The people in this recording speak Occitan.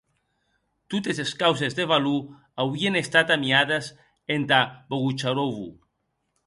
Totes es causes de valor auien estat amiades entà Bogucharovo.